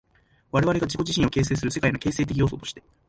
我々が自己自身を形成する世界の形成的要素として、